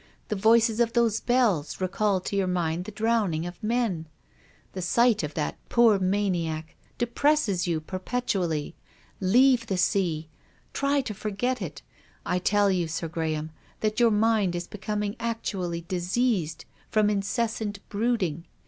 The voices of those bells recall to your mind the drowning of men. The sight of that poor maniac depresses you perpetually. Leave the sea. Try to forget it. I tell you. Sir Graham, that your mind is becoming actually diseased from incessant brooding.